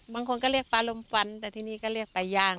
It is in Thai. บางคนก็เรียกปลาลมฟันแต่ที่นี่ก็เรียกปลาย่าง